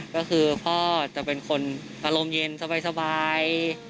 ก็คือพ่อจะเป็นคนอารมณ์เย็นสบาย